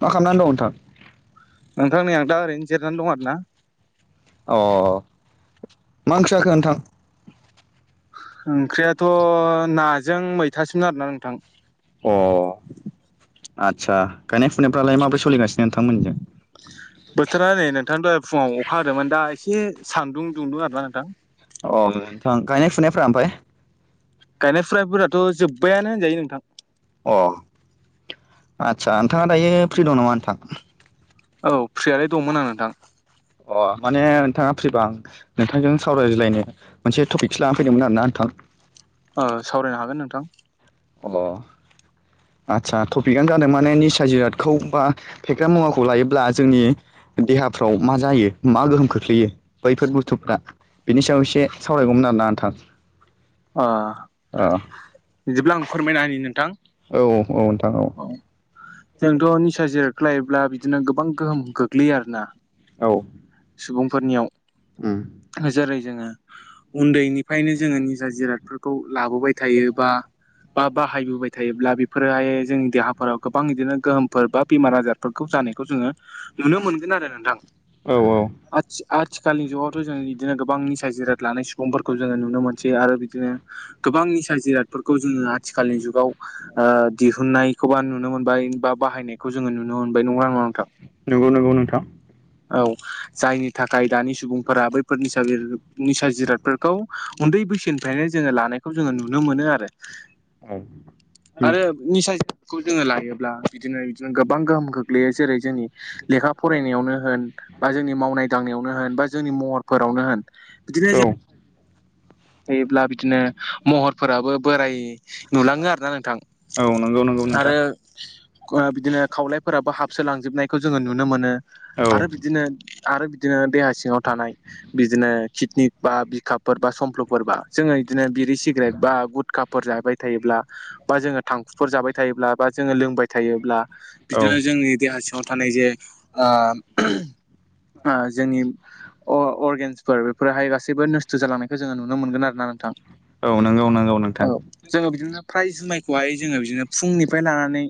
मा खालामनानै दं नोंथां नोंथांनि आ दा ओरैनो जिरनानै दं आरो ना अ मा ओंख्रि जाखो नोंथां ओंख्रियाथ' नाजों मैथासोमो आरोना नोंथां अ आदसा गायनाय फुनायफ्रालाय माबोरै सोलिगासिनो नोंथांमोनिजों बोथोरा नै नोंथां द'हाय फुङाव अखा होदोंमोन दा एसे सानदुं दुंदों आरोना नोंथां अ नोंथां गायनाय फुनायफ्रा ओमफ्राय गायनाय फुनायफोराथ' जोब्बायानो होनजायो नोंथां अ आचसा नोंथाङा दायो फ्रि दं नामा नोंथां औ फ्रियालाय दंमोन आं नोंथां अ माने नोंथाङा फ्रिबा आं नोंथांजों सावरायज्लायनो मोनसेटपिकसो लानानानै फैदोंमोन आरो ना नोंथां ओ सावरायनो हागोन नोंथां अ आचसा टपिकनो जादों माने निसा जिरादखौ बा फेग्रा मुवाखौ लायोब्ला जोंनि देहाफ्राव मा जायो मा गोहोम खोख्लैयो बैफोर बुस्थुफ्रा बिनि सायाव एसे सावरायगौमोन आरोना नोंथां अ अ बिदिब्ला आं फोरमायना होनि नोंथां औ औ नोंथां औ औ जोंथ' निसा जिरादखौलायोब्ला बिदिनो गोबां गोहोम गोग्लैयो आरो ना औ सुबुंफोरनियाव उम जेरै जोङो उन्दैनिफ्रायनो जोङो नि जिरादफोरखौ लाबोबाय थायो बा बा बाहायबोबाय थायोब्ला बेफोरोहाय जोंनि देहाफोराव गोबां बिदिनो गोहोमफोर बा बेमार आजार फोरखौ जानायखौ जोङो नुनो मोनगोन आरो नोंथां। औ औ आथिखालनि जुगावथ' जों बिदिनो गोबां निसाय जिराद लानाय सुबुंफोरखौ जोङो नुनो मोनो आरो बिदिनो गोबां निसा जिरादफोरखौ जोङो आथिखालनि जुगाव ओ दिहुननायखौबा नुनो मोनबाय बा बाहायनायखौ जोङो नुनो मोनबाय नंगौ ना नङा नोंथां? नंगौ नंगौ नोंथां। औ जायनि थाखाय दानि सुबुंफोरा बैफोरनिसा निसा जिराद फोरखौ उन्दै बैसोनिफ्रायनो जोङो लानायखौ जोङो नुनो मोनो आरो। औ आरो निसाखौ जोङो लायोब्ला बिदिनो बिदिनो गोबां गोहोम खग्लैयो जेरै जोंनि लेखा फरायनायावनो होन बा जोंनि मावनाय दांनायावनो होन बा जोंनि महरफोरावनो होन बिदिनो औ जे थायोब्ला बिदिनो महरफोराबो बोराय नुलाङो आरोना नोंथां नंगौ नंगौ नोंथां आरो। ओ बिदिनो खावलायफोराबो हाबसोलांजोबनायखौ जोङो नुनो मोनो। औ आरो बिदिनो आरो बिदिनो देहा सिङाव थानाय बिदिनो किदनिक बा बिखाबफोर बा समफ्लफोरबा जोङो बिदिनो बिरि सिगारेट बा गुद का फोर जाबाय थायोब्ला बा जोङो थांखुफोर जाबाय थायोब्ला बा जोङो लोंबाय थायोब्ला औ बिदिनो जोंनि देहा सिङाव थानाय जे आ जोंनि अरगेन्सफोर बेफोरहाय गासैबो नस्थ' जालांनायखौ जोङो नुनो- नुनो मोनोन आरो ना नोंथां। औ नंगौ नंगौ औ नोंथां। जोङो बिदिनो प्राय जुमायखौहाय जोङो बिदिनो फुंनिफ्राय लानानै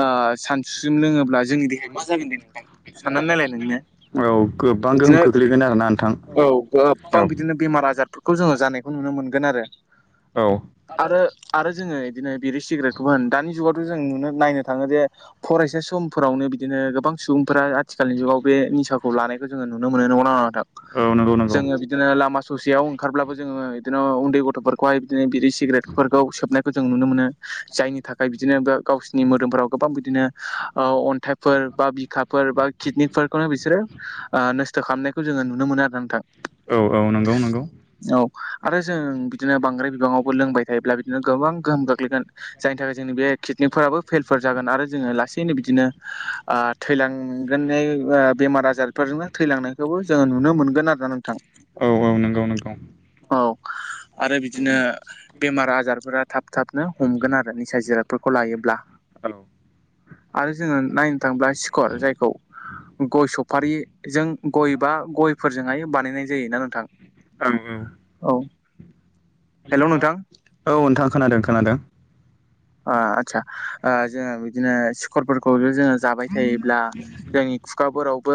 ओ सानसुस्रिम लोङोब्ला जोंनि देहाया मा जागोन दे नोंथां। साननानै नायलाय नोंनो औ गोबां गोहोम बिदिनो खोख्लैगोन आरोना नोंथां औ औ गोबां बिदिनो बेमार आजार खौ जोङो जानायखौ नुनो मोनगोन आरो औ आरो। आरो जोङो इदिनो बिरि सिगारेटखौबो होन दानि जुगावथ' जों नुनो नायनो थाङो जे फरायसा समफोरावनो बिदिनो गोबां सुबुंफोरा आथिखालनि जुगाव बे निसाखौ लानायखौ जोङो नुनो मोनो नंगोना नङा नोंथां? औ नंगौ नंगौ। जोङो बिदिनो लामा ससेयाव ओंखारब्लाबो जोङो इदिनो उन्दै गथ'फोर खहाय बिदिनो बिरि सिगारेटफोरखौ सोबनायखौ जों नुनो मोनो। जायनि थाखाय बिदिनो बो गावसोरनि मोदोमफोराव गोबां बिदिनो आ अन्थाइफोर बा बिखा फोर बा किडनिकफोरखौनो बिसोरो ओ नस्थ' खालामनायखौ जोङो नुनो मोनो आरो नोंथां। औ औ नंगौ नंगौ। औ आरो जों बिदिनो बांद्राय बिबाङावबो लोंबाय थायोब्ला बिदिनो गोबां गोहोम गोग्लैगोन। जायनि थाखाय जोंनि बे किकनिकफोराबो फेल फोर जागोन आरो जोङो लासैनो बिदिनो आ थैलांगोन अयै बेमार आजार बेफोरजोंनो थैलांनायखौबो जोङो नुनो मोनगोन आरो ना नोंथां। औ औ नंगौ नंगौ। औ आरो बिदिनो बेमार आजारफोरा थाब थोबथाबनो हमगोन आरो निसा जिरादफोरखौ लायोब्ला हेल' आरो जोङो नायनो थांब्ला सिकर जायखौ गय सफारिजों गय बा गयफोरजोंहाय बानायनाय जायोना नोंथां। औ औ औ हेल नोंथां औ नोंथां खोनादों खोनादों ओ आतसा आ जोङो बिदिनो सिखरफोरखौ जोङो जाबाय थायोब्ला जोंनि खुगाफोरावबो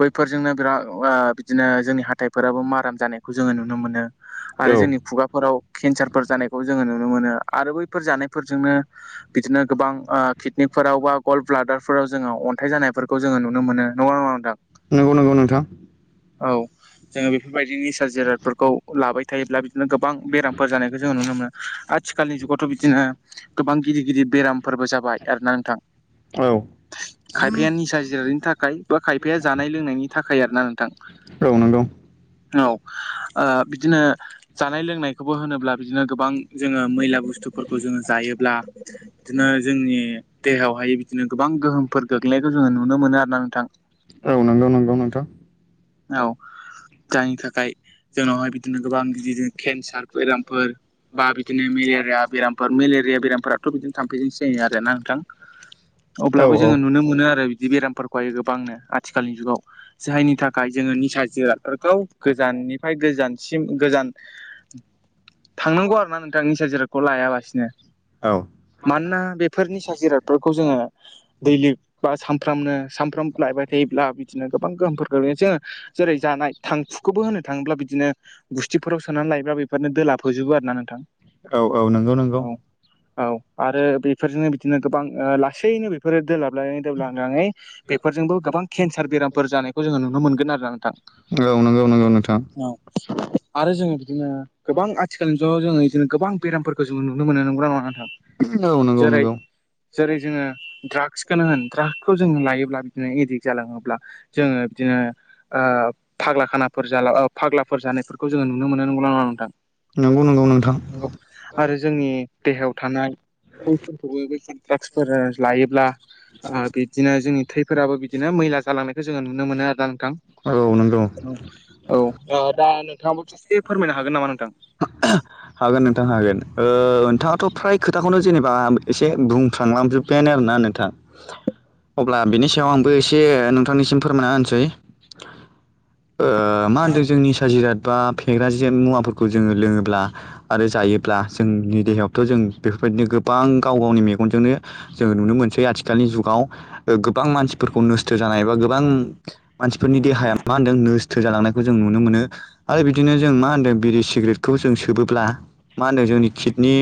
बैफोरजोंनो बिराद ओ बिदिनो जोंनि हाइफोराबो माराम जानाय खौ जोङो नुनो मोनो आरो औ जोंनि खुगाफोराव केन्सारफोर जानायखौ जोङो नुनो मोनो आरो बैफोर जानायफोरजोंनो बिदिनो गोबां ओ किदनिकफोराव बा गल ब्लादारफोराव जोङो अन्थाइ जानायफोरखौ जोङो नुनो मोनो। नंगोना नङा नोंथां? नंगौ नंगौ नोंथां औ जोङो बेफोरबायदि निसा जिरादफोरखौ लाबाय थायोब्ला बिद नो गोबां बेरामफोर जानायखौ जोंङो नुनो मोनो आथिखालनि जुगावथ' बिदिनो गोबां गिदिर गिदिर बेराम फोरबो जाबाय आरोना नोंथां औ खायफाया निसा जिरादनि थाखाय बा खायफाया जानाय लोंनायनि थाखाय आरो ना नोंथां। औ नंगौ औ आ बिदिनो जानाय लोंनायखौबो होनोब्ला बिदिनो गोबां जोङो मैला बुस्थुफोरखौ जोङो जायोब्ला बिदिनो जोंनि देहायावहाय बिदिनो गोबां गोहोमफोर गोग्लैनायखौ जोङो नुनो मोनो आरो ना नोंथां। औ नंगौ नंगौ नोंथां औ जायनि थाखाय जोंनावहाय बिदिनो गोबां गिदिर केन्स सार बेरामफोर बा बिदिनो मेलेरिया बेरामफोर मेले रिया बेरामफोराथ' बिदिनो थामफैजोंसो जायो आरो ना नोंथां। औ अब्लाबो औ जोङो नुनो मोनो आरो बिदि बेरामफोरखौहाय गोबांनो आथिखालनि जुगाव। जायनि थाखाय जोङो निसा जिरादफोरखौ गोजाननिफ्राय गोजानसिम गोजान थांनांगौ आरो ना नोंथां निसा जिरादखौ लायालासिनो। औ मानोना बेफोर निसा जिरादफोरखौ जोङो दैलिग बा सानफ्रामनो सानफ्राम लायबाय थायोब्ला बिदिनो गोबां गोहोम गोग्लैसो जेरै जानाय थांफुखौबो होननो थाङोब्ला बिदिनो गुस्थिफोराव सोनानै लायोब्ला बेफोरनो दोलाब फोजोबो आरो ना नोंथां। औ औ नंगौ नंगौ औ औ आरो बेफोरजोंनो बिदिनो गोबां ओ लासैनो बेफोरो दोलाबलाङै दोबलाङै बेफोरजोंबो गोबां केन्सार बेरामफोर जानायखौ जोङो नुनो मोनगोन आरो ना नोंथां। नंगौ नंगौ नोंथां। औ आरो जोङो बिदिनो गोबां आथिखालनि जुगाव जोङो बिदिनो गोबां बेरामफोरखौ जोङो नुनो मोनो नं गौ ना नंङा नोंथां औ नंगौ जेरै नंगौ जेरै जोङो ड्राग्सखौनो होन ड्राग्सखौ जों लायोब्ला बिदिनो एडिक्ट जालाङोब्ला जोङो बिदिनो आ फाग्ला खानाफोर जाला ओ फाग्लाफोर जानायफोरखौ जोङो नुनो मोनो। नंगौ ना नङा नोंथां? नंगौ नंगौ नोंथां। आरो जोंनि देहायाव थानाय थैफोरखौबो जों द्राग्सफोर लायोब्ला ओ बिदिनो जोंनि थैफोराबो बिदिनो मैला जालांनायखौ जोङो नुनो मोनो आरो ना नोंथां। औ नंगौ औ दा नोंथाङाबो ससे फोरमायनो हागोन नामा नोंथां। हागोन नोंथां हागोन ओ नोंथाङाथ' फ्राय खो खोथाखौनो जेनेबा एसे बुंफ्रांलांजोब्बायानो आरोना नोंथाङा। अब्ला बिनि सायाव आंबो एसे नोंथांनिसिम फोरमायना होनोसै ओ मा होनदों जों निसा जिराद बा फेग्रा जे मुवाफोरखौ जोङो लोङोब्ला आरो जायोब्ला जोंनि देहायावथ' जों बेफोरबायदिनो गोबां गाव गावनि मेगनजोंनो जोङो नुनो मोनसै आथिखालनि जुगाव ओ गोबां मानसिफोरखौ नस्थ' जानाय एबा गोबां मानसिफोरनि देहाया मा होनदों नोस्थो जालांनायखौ जों नुनो मोनो आरो बिदिनो जों मा होनदों बिरि सिग्रेट खौ जों सोबोब्ला मा होनदों जोंनि किडनि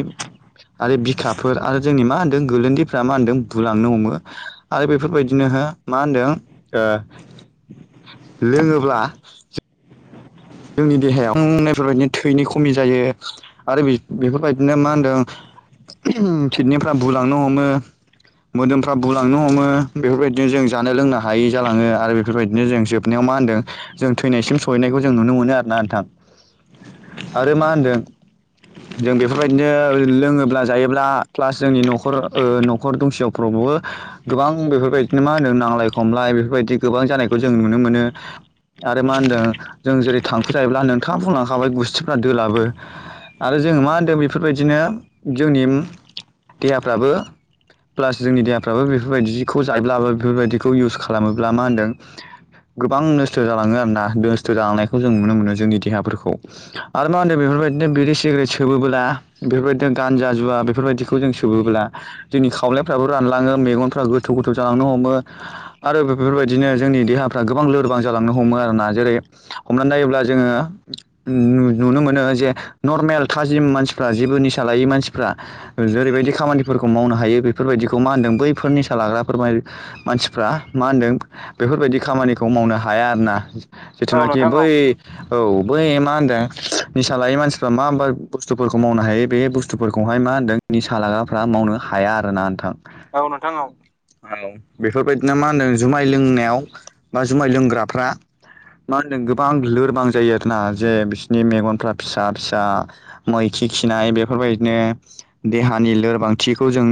आरो बिखाफोर आरो जोंनि मा होन्दों गोरल्न्दैफ्रा मा होन्दों बुलांनो हमो। आरो बेफोरबायदिनो हो मा होनदों लोङोब्ला जोंनि देहायावनायफोरबायदिनो थैनि खमि जायो आरो बेफोरबायदिनो मा होनदों पिटनिकफ्रा बुलांनो हमो मोदोमफ्रा बुलांनो हमो बेफोरबायदिनो जों जानाय लोंनो हायै जालाङो आरो बेफोरबायदिनो जोंसोब साव मा होनदों जों थैनायसिम सहैनायखौ जों जों नुनो मोनो आरोोना नोंथां आरो मा होनदों जों बेफोरबायदिनो लोङोब्ला जायोब्ला प्लास जोंनि न'खर न'खर दंसेयावफ्रावबबो गोबां बेफोरबायदिनो मा होनो नांलाय खमलाय बेफोरबायदि गोबां जानायखौ जों नुनो मोनो आरो मा होनदों जों जेरै थांफु जायोब्ला नोंथाङा बुंलांखाबाय गुस्थिफ्रा दलाबो आरो जोङो मा होनदों बेफोरबायदिनो जोंनि देहाफ्राबो प्लास जोंनि देहाफ्राबो बेफोरबायदिखौ जायोब्लाबो बेफोरबायदिखौ इउस खालामोब्ला मा होनदों गोबां नस्थ' जालाङो आरोना नस्थ' जालांनायखौ जों नुनो मोनो जोंनि देहाफोरखौ आरो मा होनो बेफोरबायदिनो बिरे सिग्रेट सोबोला बेफोरबायदिनो गानजा जुवा बेफोरबायदि खौ जों सोबोब्ला जोंनि खावलायफ्राबो रानलाङो मेगनफ्रा गोथौ गोथौ जालांनो हमो आरो बेफोरबायदिनो जोंनि देहाफ्रा गोबां लोरबां जालांनो हमो आरोना जेरै हमनानै नायोब्ला जोङो नुनो मोनो जे नर्मेल थाजिम मानसिफ्रा जेबो निसा लायै मानसिफ्रा जेरैबायदि खामानिफोरखौ मावनो हायो बेफोरबायदिखौ मा होनदों बैफोरनिसा लाग्राफोर मानसिफ्रा मा होनदों बेफोरबायदि खामानिखौ मावनो हाया आरोना औ जथ'नाखि नोंथां औ बै औ बै मा होनदों निसा लायै मानसिफ्रा मा मा बुस्थुफोरखौ मावनो हायो बे बसु बुस्थुफोरखौहाय मा होनदोंनि सालागाफ्रा मावनो हाया आरोना नोंथां औ नोंथां औ हौ बेफोरबायदिना मा होनदों जुमाय लोंनायाव बा जुमाय लोंग्राफ्रा मा होनदों गोबां लोरबां जायो आरोना जे बिसोरनि मेगनफ्रा फिसा फिसा मै खि खिनाय बेफोरबायदिनो देहानि लोरबांथिखौ जों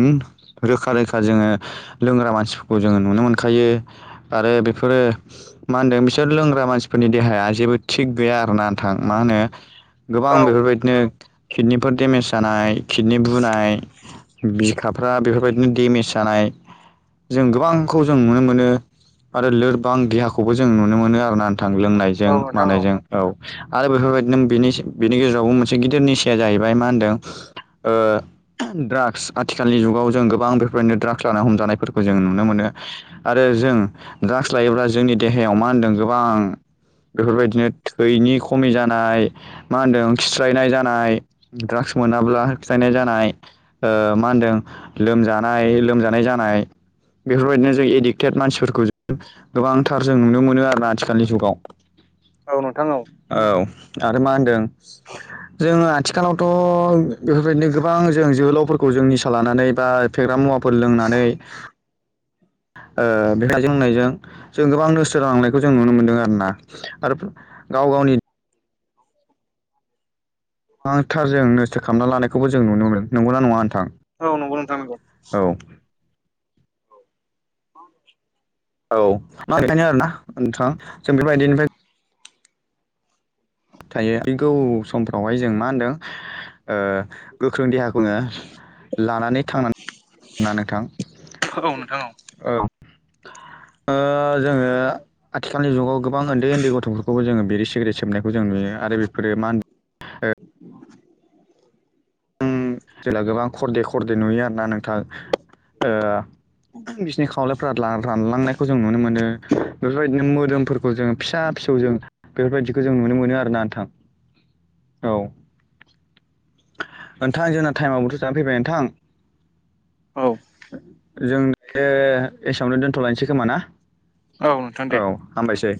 रोखा रोखा जोङो लोंग्रा मानसिफोरखौ जोङो नुनो मोनखायो आरो बेफोरो मा होनदों बिसोर लोंग्रा मानसि फोरनि देहाया जेबो थिग गैया आरोना नोंथां मा होनो औ गोबां बेफोरबायदिनो खिडनिफोर देमेज जानाय किडनि बुनाय बिखाफ्रा बेफोरबायदिनो डेमेज जानाय जों गोबांखौ जों नुनो मोनो आरो लोरबां देहाखौबो जों नुनो मोनो आरोना थां औ लोंनायजों नोंथां मानायजों औ आरो बेफोरबायदि नोंनि बेनि गेजेरावबो मोनसे गिदिर निसाया जाहैबाय मा होनदों ओ ड्राग्स आथिखालनि जुगाव जों गोबां बेफोरदिनो ड्राग्स ला हमजानायफोरखौ जों नुनो मोनो आरो जों ड्राग्स लायोब्ला जोंनि देहायाव मा होनदों गोबां बेफोरबायदिनो थैनि खमि जानाय मा होनदों खिस्रायनाय जानाय द्राग्स मोनाब्ला खिस्रायनाय जानाय मा होनदों लोमजानाय लोमजानाय जानाय बेफोरबायदिनो जों एडिक्टेड मानसिफोरखौ ज गोबांथार जों नुनो मोनो आरो आथिखालनि जुगाव औ नोंथां औ औ आरो मा होनदों जोङो आथिखालावथ' बेफोरबायदिनो गोबां जों जोहोलावफोरखौ जों निसा लानानै बा फेग्रा मुवाफोर लोंनानै ओ बेेखाय जोंनायजों जों गोबां नोस्थो जालांनायखौ जों नुनो मोन्दों आरो ना आरो गाव गावनि गोबांथार जों नस्थ' खालामना लानायखौबो जों नुनो मोन नंगौना नङा औ नंगौ नंगौ नोंथां औ अ [unintelligible] औ मा बेखायनो आरो ना नोंथा जों बे बायदिनिफ्राय थायो फैगौ समफ्रावहाय जों मा होनदों ओ गोख्रों देहाखौनोङो लानानै थांनानै - ना नोंथां। औ नोंथां औ ओ जोङो आथिखालनि जुगाव गोबां ओन्दै ओन्दै गथ'फोरखौबो जोङो बिरि, सिगारेट सोबनायखौ जों नुयो आरो बेफोरो मा होन उम जेला गोबां खरदे खरदे नुयो आरोना नोंथां ओ बिसिनि खावलायफ्रा दा रानलांनायखौ जों नुनो मोनो। बेफोरबायदिनो मोदोमफोरखौ जों फिसा-फिसौ जों बेफोरबायदिखौ जों नुनो मोनो आरोना नोंथां औ। नोंथां जोंना टाइमआ बोथ' जानानै फैबाय नोंथां। औ जों बे एसेयावनो दोन्थ'लायनोसै खोमा ना? औ नोंथां दे औ हामबायसै